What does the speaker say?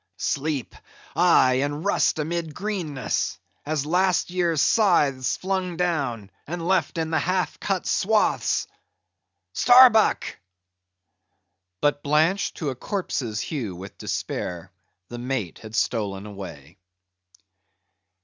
Sleep? Aye, and rust amid greenness; as last year's scythes flung down, and left in the half cut swaths—Starbuck!" But blanched to a corpse's hue with despair, the Mate had stolen away.